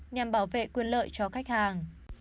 nhằm bảo vệ quyền lợi cho khách hàng